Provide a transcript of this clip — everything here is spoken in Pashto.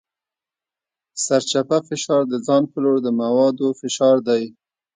سرچپه فشار د ځان په لور د موادو فشار دی.